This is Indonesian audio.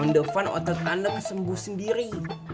rondofan otot ana kesembuh sendiri